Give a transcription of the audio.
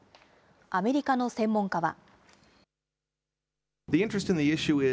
アメリカの専門家は。